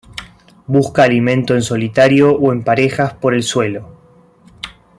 Busca alimento en solitario o en parejas por el suelo.